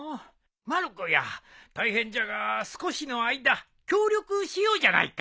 まる子や大変じゃが少しの間協力しようじゃないか。